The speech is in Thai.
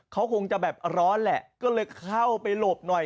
เขาคงจะแบบร้อนแหละก็เลยเข้าไปหลบหน่อย